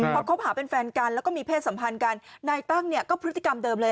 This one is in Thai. พอคบหาเป็นแฟนกันแล้วก็มีเพศสัมพันธ์กันนายตั้งเนี่ยก็พฤติกรรมเดิมเลย